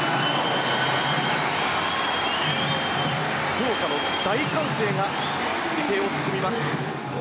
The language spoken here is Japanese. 福岡の大歓声が池江を包みます。